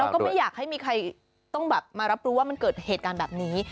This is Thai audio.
ก็ไม่อยากให้มีใครต้องแบบมารับรู้ว่ามันเกิดเหตุการณ์แบบนี้